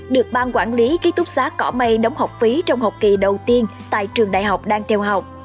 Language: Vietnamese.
được ban quản lý ký túc xá cỏ mây đóng học phí trong học kỳ đầu tiên tại trường đại học đang theo học